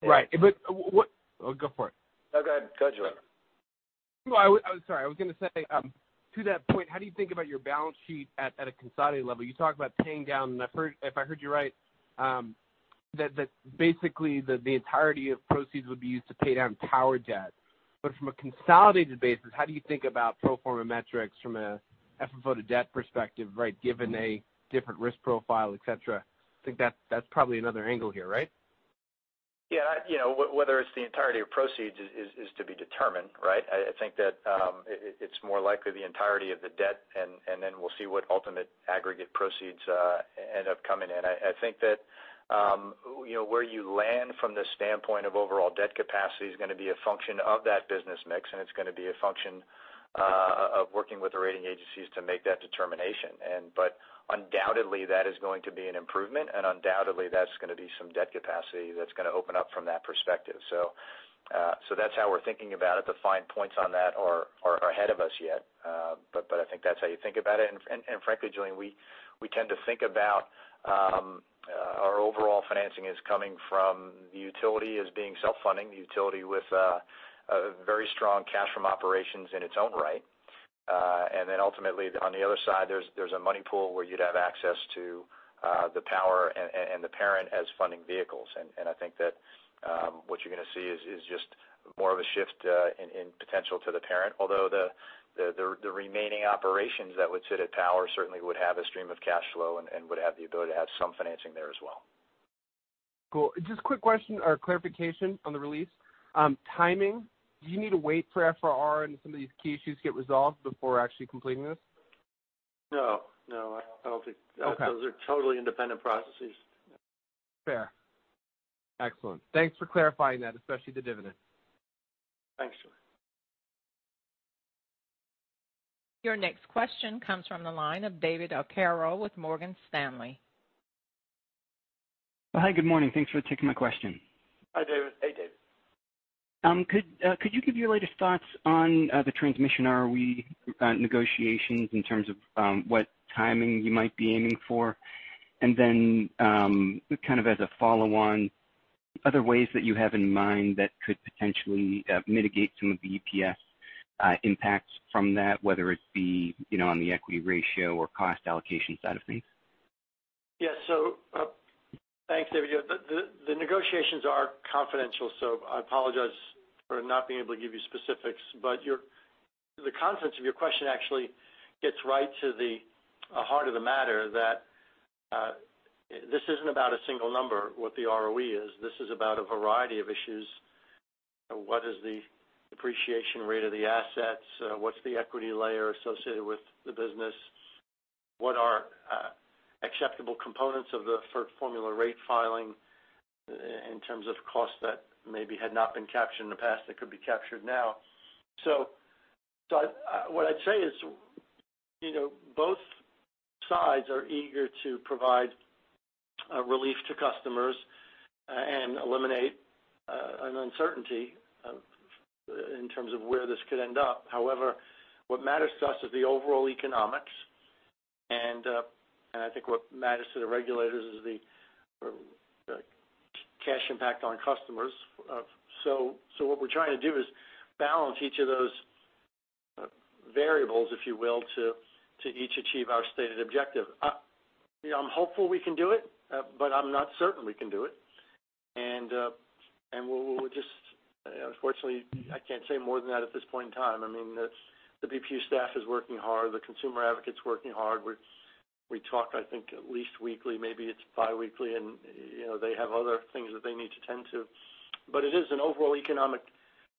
Right. Oh, go for it. No, go ahead, Julien. I'm sorry. I was going to say, to that point, how do you think about your balance sheet at a consolidated level? You talked about paying down, if I heard you right, that basically the entirety of proceeds would be used to pay down power debt. From a consolidated basis, how do you think about pro forma metrics from a FFO-to-debt perspective, right? Given a different risk profile, et cetera. I think that's probably another angle here, right? Yeah. Whether it's the entirety of proceeds is to be determined, right? I think that it's more likely the entirety of the debt and then we'll see what ultimate aggregate proceeds end up coming in. I think that where you land from the standpoint of overall debt capacity is going to be a function of that business mix, and it's going to be a function of working with the rating agencies to make that determination. Undoubtedly, that is going to be an improvement, and undoubtedly, that's going to be some debt capacity that's going to open up from that perspective. That's how we're thinking about it. The fine points on that are ahead of us yet. I think that's how you think about it. Frankly, Julien, we tend to think about our overall financing is coming from the utility as being self-funding. The utility with a very strong cash from operations in its own right. Then ultimately, on the other side, there's a money pool where you'd have access to the Power and the Parent as funding vehicles. I think that what you're going to see is just more of a shift in potential to the Parent. Although the remaining operations that would sit at Power certainly would have a stream of cash flow and would have the ability to have some financing there as well. Cool. Just quick question or clarification on the release timing. Do you need to wait for FRR and some of these key issues get resolved before actually completing this? No. Okay. Those are totally independent processes. Fair. Excellent. Thanks for clarifying that, especially the dividend. Thanks, Julien. Your next question comes from the line of David Arcaro with Morgan Stanley. Hi, good morning. Thanks for taking my question. Hi, David. Hey, David. Could you give your latest thoughts on the transmission ROE negotiations in terms of what timing you might be aiming for? Then, kind of as a follow-on, other ways that you have in mind that could potentially mitigate some of the EPS impacts from that, whether it be on the equity ratio or cost allocation side of things? Yeah. Thanks, David. The negotiations are confidential, I apologize for not being able to give you specifics, the contents of your question actually gets right to the heart of the matter that this isn't about a single number, what the ROE is. This is about a variety of issues. What is the depreciation rate of the assets? What's the equity layer associated with the business? What are acceptable components of the FERC formula rate filing in terms of costs that maybe had not been captured in the past that could be captured now? What I'd say is both sides are eager to provide relief to customers and eliminate an uncertainty in terms of where this could end up. However, what matters to us is the overall economics, I think what matters to the regulators is the cash impact on customers. What we're trying to do is balance each of those variables, if you will, to each achieve our stated objective. I'm hopeful we can do it, but I'm not certain we can do it. Unfortunately, I can't say more than that at this point in time. I mean, the BPU staff is working hard, the consumer advocate's working hard. We talk, I think, at least weekly, maybe it's biweekly. They have other things that they need to tend to. It is an overall economic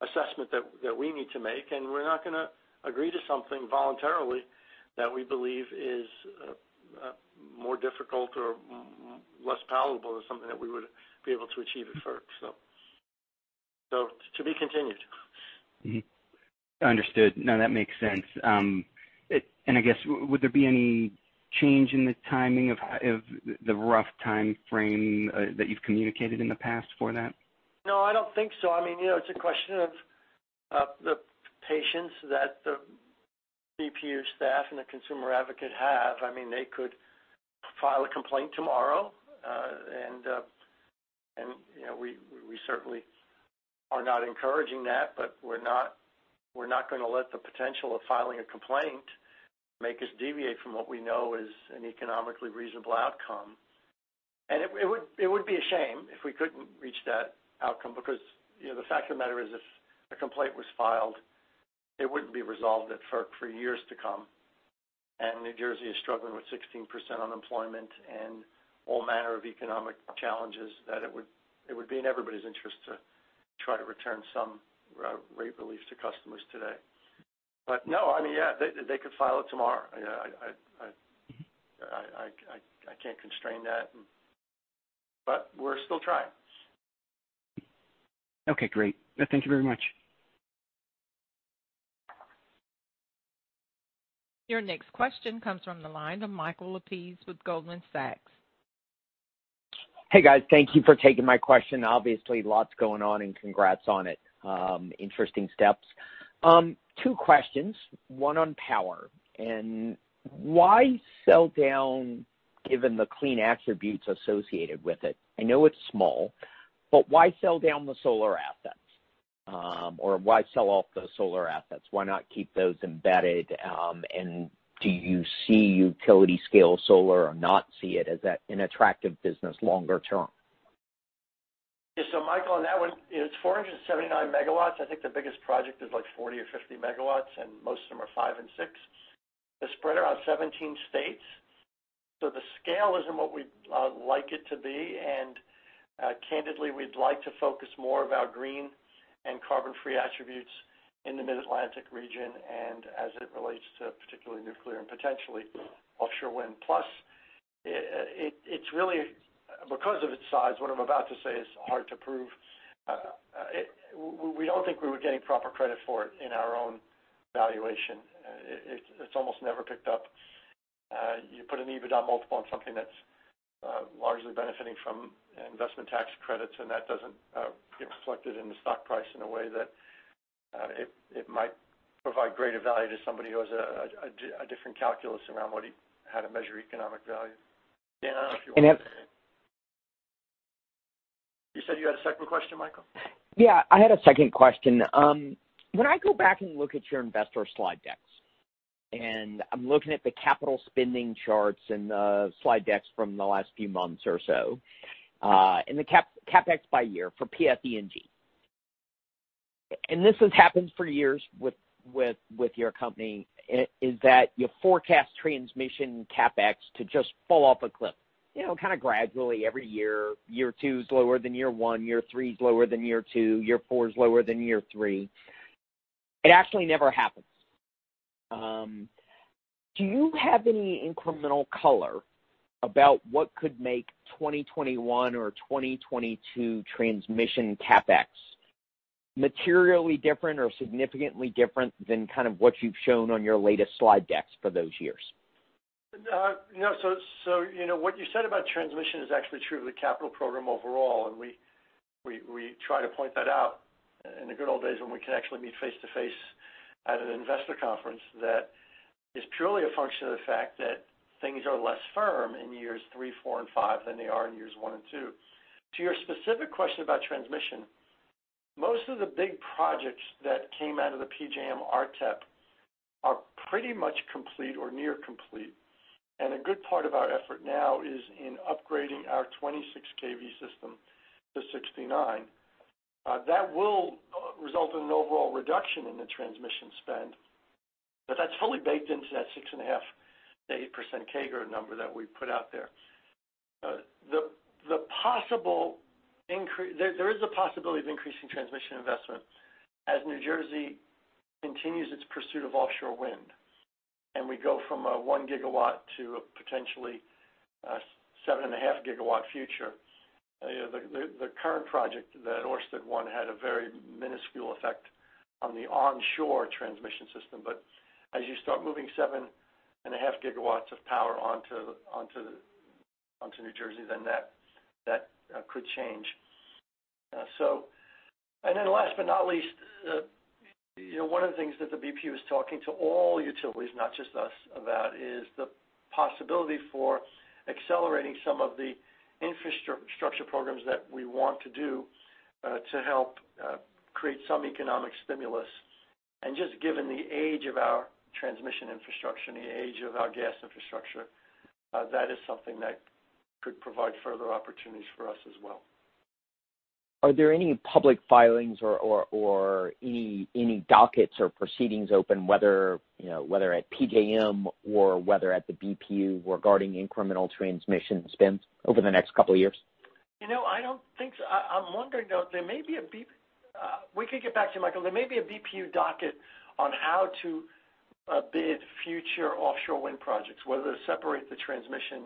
assessment that we need to make, and we're not going to agree to something voluntarily that we believe is more difficult or less palatable as something that we would be able to achieve at FERC, so to be continued. Understood. No, that makes sense. I guess, would there be any change in the timing of the rough timeframe that you've communicated in the past for that? No, I don't think so. It's a question of the patience that the BPU staff and the consumer advocate have. They could file a complaint tomorrow. We certainly are not encouraging that, but we're not going to let the potential of filing a complaint make us deviate from what we know is an economically reasonable outcome. It would be a shame if we couldn't reach that outcome because the fact of the matter is if a complaint was filed, it wouldn't be resolved at FERC for years to come. New Jersey is struggling with 16% unemployment and all manner of economic challenges that it would be in everybody's interest to try to return some rate relief to customers today. No, they could file it tomorrow. I can't constrain that. We're still trying. Okay, great. No, thank you very much. Your next question comes from the line of Michael Lapides with Goldman Sachs. Hey guys, thank you for taking my question. Obviously, lots going on. Congrats on it. Interesting steps. Two questions, one on power. Why sell down given the clean attributes associated with it? I know it's small, why sell off those solar assets? Why sell off those solar assets? Why not keep those embedded? Do you see utility-scale solar or not see it as an attractive business longer term? Yeah. Michael, on that one, it's 479 MW. I think the biggest project is like 40 or 50 MW, and most of them are 5 MW and 6 MW. They're spread around 17 states. The scale isn't what we'd like it to be, and candidly, we'd like to focus more of our green and carbon-free attributes in the Mid-Atlantic region, and as it relates to particularly nuclear and potentially offshore wind. Because of its size, what I'm about to say is hard to prove. We don't think we were getting proper credit for it in our own valuation. It's almost never picked up. You put an EBITDA multiple on something that's largely benefiting from investment tax credits, and that doesn't get reflected in the stock price in a way that it might provide greater value to somebody who has a different calculus around how to measure economic value. Dan, I don't know if you want to. And if- You said you had a second question, Michael? Yeah, I had a second question. When I go back and look at your investor slide decks, and I'm looking at the capital spending charts and the slide decks from the last few months or so, and the CapEx by year for PSE&G. This has happened for years with your company, is that you forecast transmission CapEx to just fall off a cliff, kind of gradually every year. Year two is lower than year one, year three is lower than year two, year four is lower than year three. It actually never happens. Do you have any incremental color about what could make 2021 or 2022 transmission CapEx materially different or significantly different than kind of what you've shown on your latest slide decks for those years? What you said about transmission is actually true of the capital program overall, and we try to point that out in the good old days when we can actually meet face-to-face at an investor conference, that is purely a function of the fact that things are less firm in years three, four, and five than they are in years one and two. To your specific question about transmission, most of the big projects that came out of the PJM RTEP are pretty much complete or near complete, and a good part of our effort now is in upgrading our 26 kV system to 69 kV. That will result in an overall reduction in the transmission spend. That's fully baked into that 6.5%-8% CAGR number that we put out there. There is a possibility of increasing transmission investment as New Jersey continues its pursuit of offshore wind, and we go from a 1 GW to a potentially 7.5 GW future. The current project, that Ørsted one, had a very minuscule effect on the onshore transmission system. As you start moving 7.5 GW of power onto New Jersey, then that could change. Last but not least, one of the things that the BPU is talking to all utilities, not just us, about is the possibility for accelerating some of the infrastructure programs that we want to do to help create some economic stimulus. Just given the age of our transmission infrastructure and the age of our gas infrastructure, that is something that could provide further opportunities for us as well. Are there any public filings or any dockets or proceedings open, whether at PJM or whether at the BPU regarding incremental transmission spends over the next couple of years? I don't think so. I'm wondering though, we could get back to you, Michael. There may be a BPU docket on how to bid future offshore wind projects, whether to separate the transmission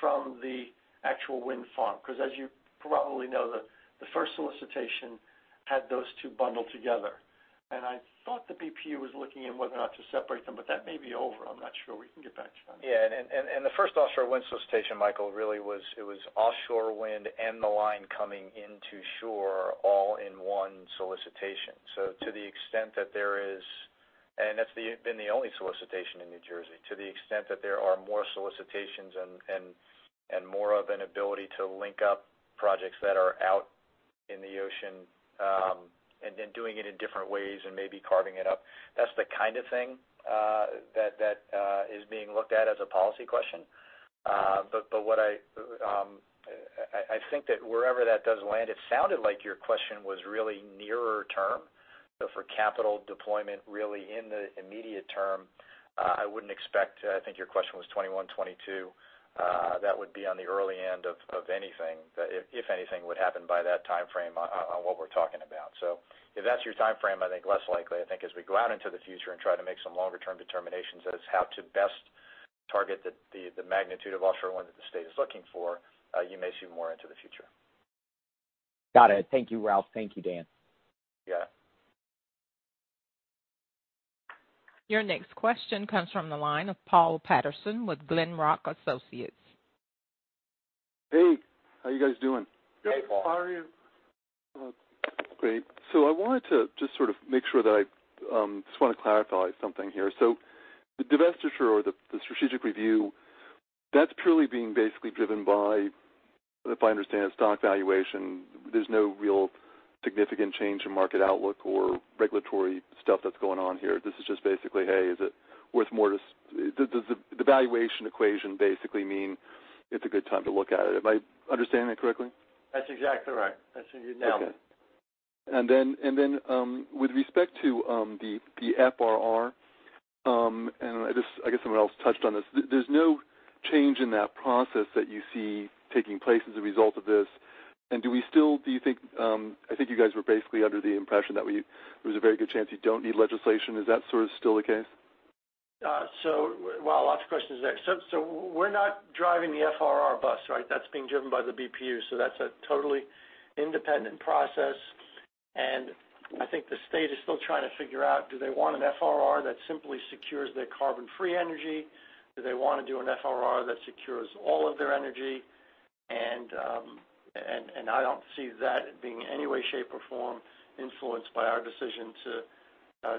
from the actual wind farm. As you probably know, the first solicitation had those two bundled together. I thought the BPU was looking in whether or not to separate them, but that may be over. I'm not sure. We can get back to you on that. Yeah. The first offshore wind solicitation, Michael, really it was offshore wind and the line coming into shore all in one solicitation. That's been the only solicitation in New Jersey. To the extent that there are more solicitations and more of an ability to link up projects that are out in the ocean, and then doing it in different ways and maybe carving it up. That's the kind of thing that is being looked at as a policy question. I think that wherever that does land, it sounded like your question was really nearer term. For capital deployment really in the immediate term, I wouldn't expect, I think your question was 2021, 2022. That would be on the early end of anything, if anything would happen by that timeframe on what we're talking about. If that's your timeframe, I think less likely. I think as we go out into the future and try to make some longer-term determinations as how to best target the magnitude of offshore wind that the state is looking for, you may see more into the future. Got it. Thank you, Ralph. Thank you, Dan. Yeah. Your next question comes from the line of Paul Patterson with Glenrock Associates. Hey, how you guys doing? Hey, Paul. Good. How are you? Great. I wanted to just sort of make sure that I just want to clarify something here. The divestiture or the strategic review, that's purely being basically driven by, if I understand, stock valuation. There's no real significant change in market outlook or regulatory stuff that's going on here. This is just basically, "Hey, is it worth more? Does the valuation equation basically mean it's a good time to look at it?" Am I understanding that correctly? That's exactly right. [CROSSTALK] Okay. With respect to the FRR. I guess someone else touched on this. There's no change in that process that you see taking place as a result of this. Do you think, I think you guys were basically under the impression that there was a very good chance you don't need legislation. Is that sort of still the case? Wow, lots of questions there. We're not driving the FRR bus, right? That's being driven by the BPU. That's a totally independent process. I think the state is still trying to figure out, do they want an FRR that simply secures their carbon-free energy? Do they want to do an FRR that secures all of their energy? I don't see that being in any way, shape, or form influenced by our decision to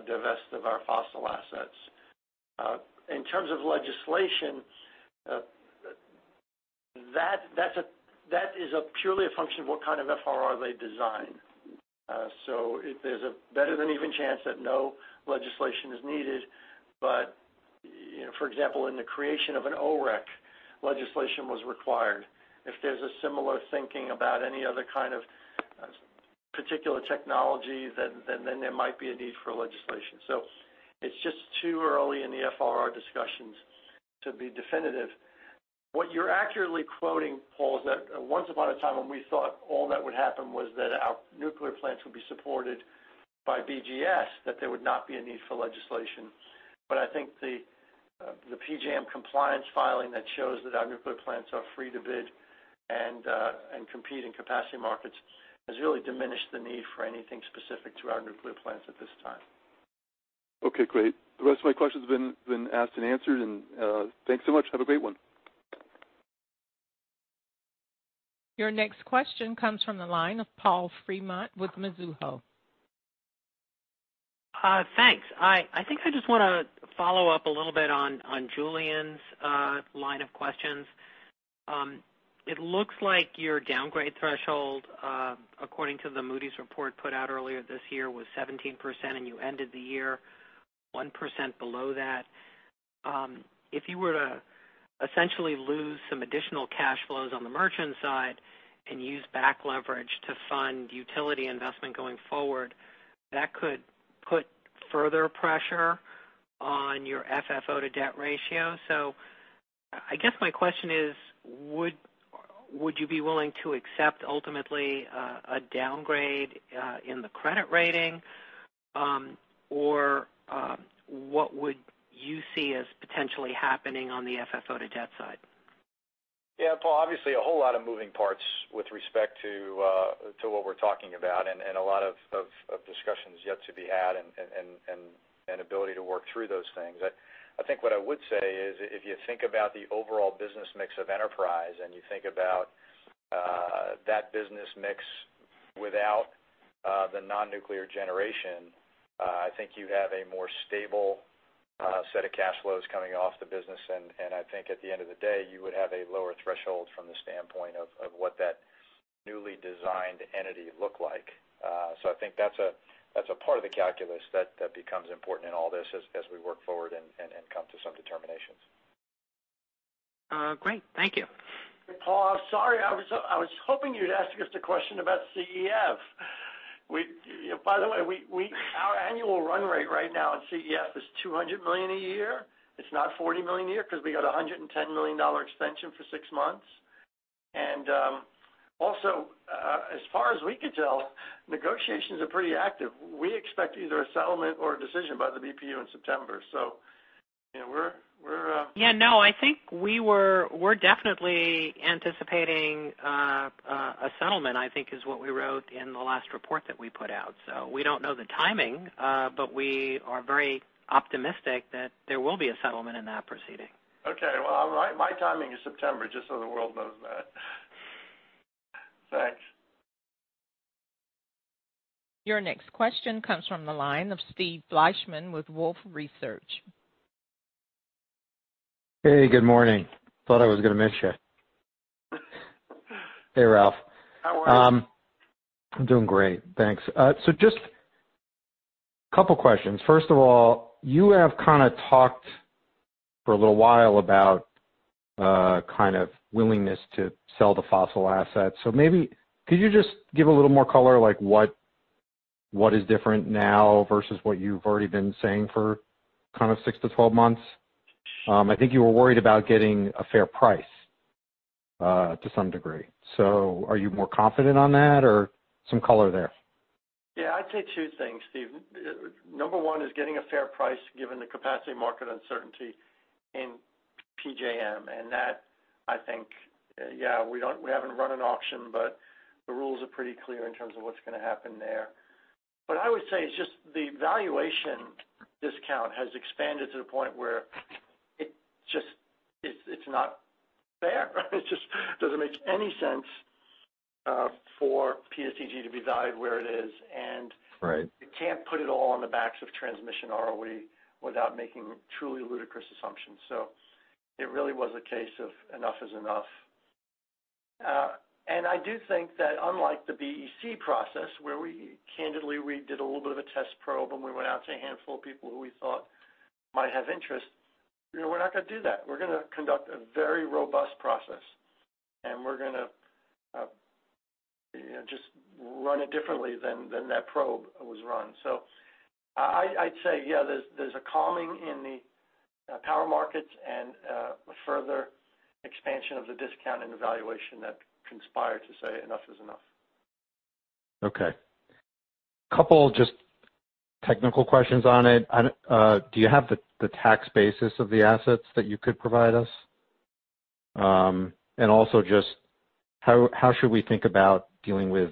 divest of our fossil assets. In terms of legislation, that is purely a function of what kind of FRR they design. There's a better than even chance that no legislation is needed. For example, in the creation of an OREC, legislation was required. If there's a similar thinking about any other kind of particular technology, there might be a need for legislation. It's just too early in the FRR discussions to be definitive. What you're accurately quoting, Paul, is that once upon a time when we thought all that would happen was that our nuclear plants would be supported by BGS, that there would not be a need for legislation. I think the PJM compliance filing that shows that our nuclear plants are free to bid and compete in capacity markets has really diminished the need for anything specific to our nuclear plants at this time. Okay, great. The rest of my questions have been asked and answered, and thanks so much. Have a great one. Your next question comes from the line of Paul Fremont with Mizuho. Thanks. I think I just want to follow up a little bit on Julien's line of questions. It looks like your downgrade threshold, according to the Moody's report put out earlier this year, was 17%, and you ended the year 1% below that. If you were to essentially lose some additional cash flows on the merchant side and use back leverage to fund utility investment going forward, that could put further pressure on your FFO-to-debt ratio. I guess my question is: Would you be willing to accept ultimately a downgrade in the credit rating? Or what would you see as potentially happening on the FFO-to-debt side? Yeah, Paul, obviously a whole lot of moving parts with respect to what we're talking about and a lot of discussions yet to be had and ability to work through those things. I think what I would say is, if you think about the overall business mix of enterprise, and you think about that business mix without the non-nuclear generation, I think you have a more stable set of cash flows coming off the business. I think at the end of the day, you would have a lower threshold from the standpoint of what that newly designed entity look like. I think that's a part of the calculus that becomes important in all this as we work forward and come to some determinations. Great. Thank you. Paul, sorry, I was hoping you'd ask us the question about CEF. Our annual run rate right now at CEF is $200 million a year. It's not $40 million a year because we got a $110 million extension for six months. As far as we could tell, negotiations are pretty active. We expect either a settlement or a decision by the BPU in September. Yeah. No, I think we're definitely anticipating a settlement, I think is what we wrote in the last report that we put out. We don't know the timing, but we are very optimistic that there will be a settlement in that proceeding. Okay. Well, my timing is September, just so the world knows that. Thanks. Your next question comes from the line of Steve Fleishman with Wolfe Research. Hey, good morning. Thought I was going to miss you. Hey, Ralph. How are you? I'm doing great, thanks. Just couple of questions. First of all, you have kind of talked for a little while about kind of willingness to sell the fossil assets. Maybe could you just give a little more color, like what is different now versus what you've already been saying for kind of 6-12 months? I think you were worried about getting a fair price to some degree. Are you more confident on that or some color there? Yeah. I'd say two things, Steve. Number one is getting a fair price given the capacity market uncertainty. PJM and that I think, yeah, we haven't run an auction, but the rules are pretty clear in terms of what's going to happen there. I would say it's just the valuation discount has expanded to the point where it's not fair. It just doesn't make any sense for PSEG to be valued where it is. Right you can't put it all on the backs of transmission ROE without making truly ludicrous assumptions. It really was a case of enough is enough. I do think that unlike the BEC process, where we candidly did a little bit of a test probe, and we went out to a handful of people who we thought might have interest, we're not going to do that. We're going to conduct a very robust process, and we're going to just run it differently than that probe was run. I'd say, yeah, there's a calming in the power markets and a further expansion of the discount and valuation that conspired to say enough is enough. Okay. Couple of just technical questions on it. Do you have the tax basis of the assets that you could provide us? Also just how should we think about dealing with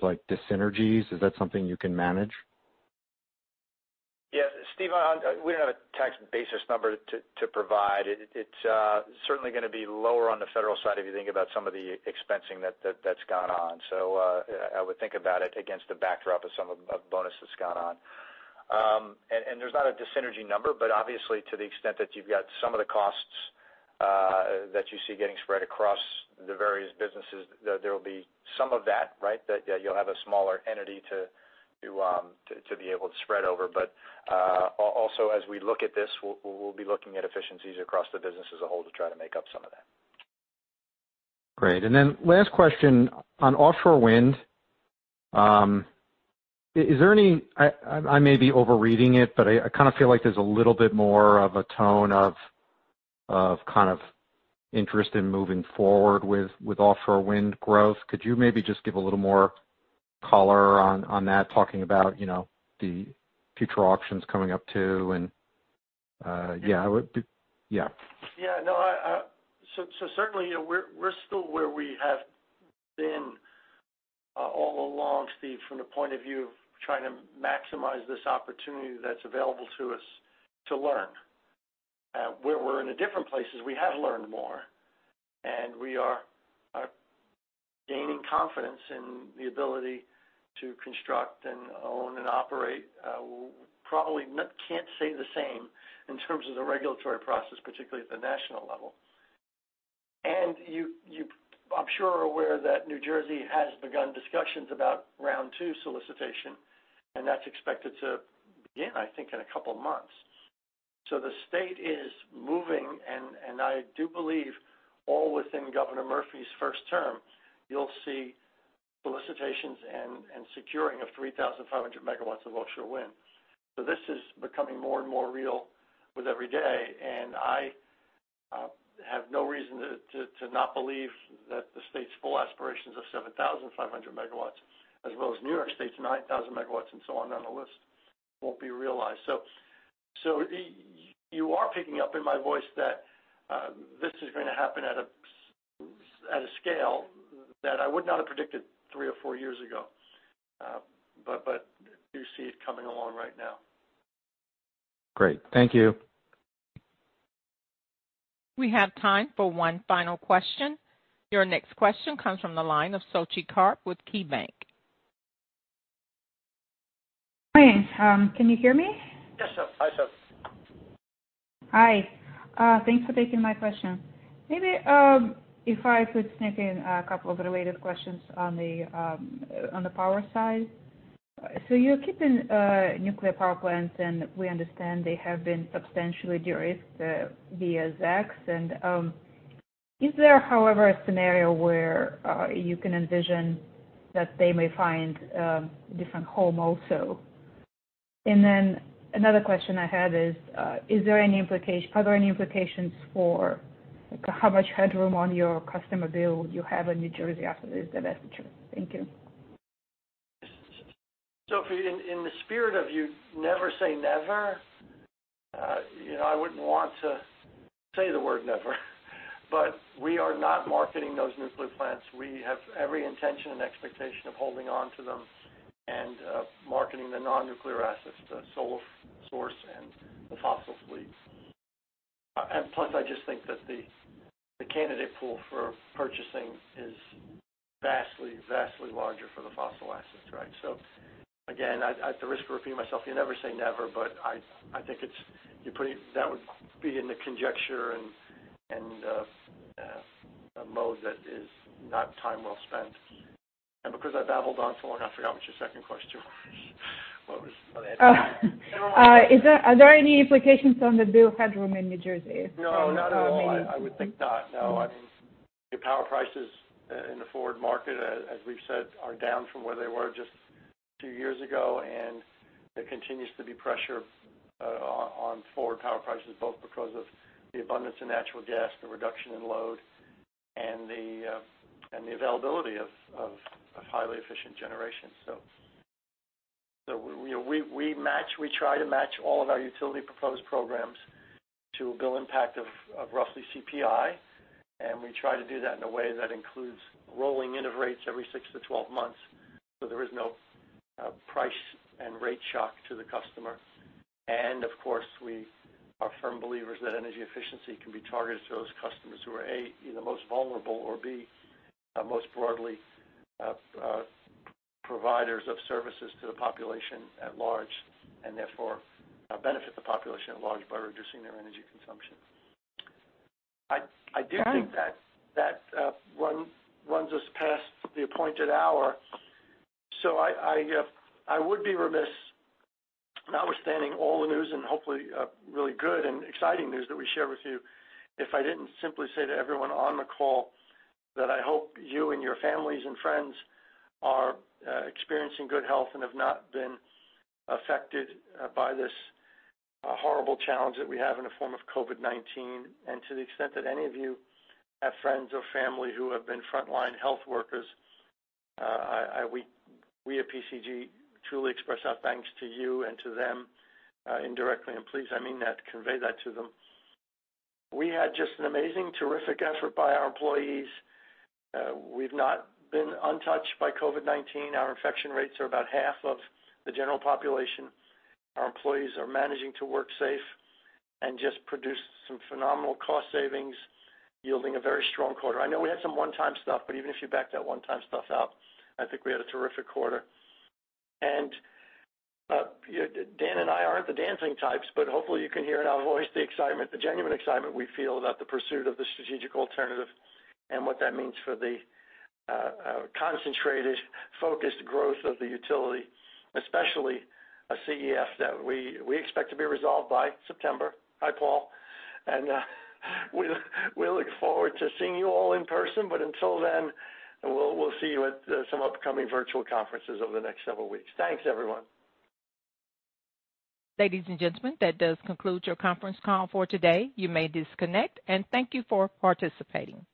synergies? Is that something you can manage? Yeah, Steve, we don't have a tax basis number to provide. It's certainly going to be lower on the federal side if you think about some of the expensing that's gone on. I would think about it against a backdrop of some of bonuses gone on. There's not a dis-synergy number, but obviously to the extent that you've got some of the costs that you see getting spread across the various businesses, there will be some of that. You'll have a smaller entity to be able to spread over. Also, as we look at this, we'll be looking at efficiencies across the business as a whole to try to make up some of that. Great. Last question, on offshore wind, I may be overreading it, but I kind of feel like there's a little bit more of a tone of interest in moving forward with offshore wind growth. Could you maybe just give a little more color on that, talking about the future auctions coming up, too? Yeah. Certainly, we're still where we have been all along, Steve, from the point of view of trying to maximize this opportunity that's available to us to learn. We're in a different place as we have learned more, and we are gaining confidence in the ability to construct and own and operate. Probably can't say the same in terms of the regulatory process, particularly at the national level. You, I'm sure, are aware that New Jersey has begun discussions about round two solicitation, and that's expected to begin, I think, in a couple of months. The state is moving, and I do believe all within Governor Murphy's first term, you'll see solicitations and securing of 3,500 MW of offshore wind. This is becoming more and more real with every day, and I have no reason to not believe that the state's full aspirations of 7,500 MW, as well as New York State's 9,000 MW and so on down the list, won't be realized. You are picking up in my voice that this is going to happen at a scale that I would not have predicted three or four years ago. You see it coming along right now. Great. Thank you. We have time for one final question. Your next question comes from the line of Sophie Karp with KeyBanc. Hi, can you hear me? Yes, sure. Hi, sure. Hi. Thanks for taking my question. Maybe if I could sneak in a couple of related questions on the power side. You're keeping nuclear power plants, and we understand they have been substantially de-risked via ZECs. Is there, however, a scenario where you can envision that they may find a different home also? Another question I had is are there any implications for how much headroom on your customer bill you have in New Jersey after this divestiture? Thank you. If in the spirit of you never say never, I wouldn't want to say the word never, but we are not marketing those nuclear plants. We have every intention and expectation of holding onto them and marketing the non-nuclear assets, the Solar Source, and the fossil fleet. Plus, I just think that the candidate pool for purchasing is vastly larger for the fossil assets. Again, at the risk of repeating myself, you never say never, but I think that would be in the conjecture and a mode that is not time well spent. Because I babbled on so long, I forgot what your second question was. What was the end? Are there any implications on the bill headroom in New Jersey? No, not at all. I would think not, no. The power prices in the forward market, as we've said, are down from where they were just two years ago, and there continues to be pressure on forward power prices, both because of the abundance of natural gas, the reduction in load, and the availability of highly efficient generation. We try to match all of our utility proposed programs to a bill impact of roughly CPI, and we try to do that in a way that includes rolling in of rates every 6- 12 months, so there is no price and rate shock to the customer. Of course, we are firm believers that energy efficiency can be targeted to those customers who are, A, either most vulnerable, or B, most broadly providers of services to the population at large, and therefore benefit the population at large by reducing their energy consumption. I do think that runs us past the appointed hour. I would be remiss, notwithstanding all the news and hopefully really good and exciting news that we share with you, if I didn't simply say to everyone on the call that I hope you and your families and friends are experiencing good health and have not been affected by this horrible challenge that we have in the form of COVID-19. To the extent that any of you have friends or family who have been frontline health workers, we at PSEG truly express our thanks to you and to them indirectly, please, I mean that, convey that to them. We had just an amazing, terrific effort by our employees. We've not been untouched by COVID-19. Our infection rates are about half of the general population. Our employees are managing to work safe and just produced some phenomenal cost savings, yielding a very strong quarter. I know we had some one-time stuff, even if you back that one-time stuff out, I think we had a terrific quarter. Dan and I aren't the dancing types, but hopefully you can hear in our voice the excitement, the genuine excitement we feel about the pursuit of the strategic alternative and what that means for the concentrated, focused growth of the utility, especially a CEF that we expect to be resolved by September. Hi, Paul. We look forward to seeing you all in person, but until then, we'll see you at some upcoming virtual conferences over the next several weeks. Thanks, everyone. Ladies and gentlemen, that does conclude your conference call for today. You may disconnect, and thank you for participating.